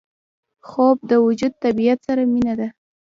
خوب د وجود طبیعت سره مینه ده